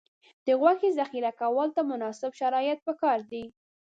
د غوښې ذخیره کولو ته مناسب شرایط پکار دي.